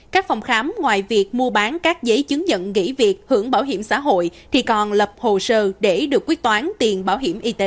các phòng khám ngoài việc mua bán các giấy chứng nhận nghỉ việc hưởng bảo hiểm xã hội thì còn lập hồ sơ để được quyết toán tiền bảo hiểm y tế